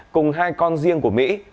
cùng hai con riêng của mỹ